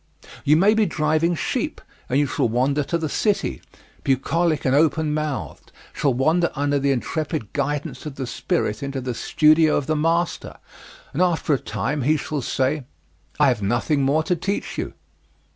You may be driving sheep, and you shall wander to the city bucolic and open mouthed; shall wander under the intrepid guidance of the spirit into the studio of the master, and after a time he shall say, 'I have nothing more to teach you.'